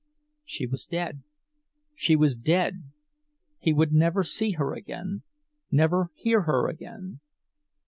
She was dead! She was dead! He would never see her again, never hear her again!